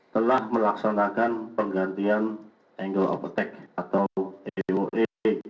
telah melaksanakan penggantian angle of attack atau eoe